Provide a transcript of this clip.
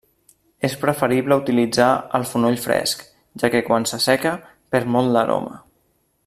És preferible utilitzar el fonoll fresc, ja que quan s'asseca perd molt l'aroma.